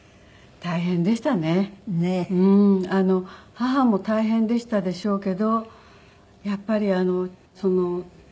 母も大変でしたでしょうけどやっぱり大変ですね。